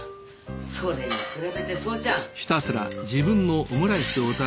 それに比べて宗ちゃん！